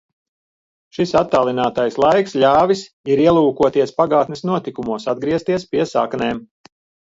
Šis attālinātais laiks ļāvis ir ielūkoties pagātnes notikumos, atgriezties pie saknēm.